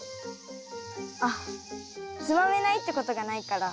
あっつまめないってことがないから。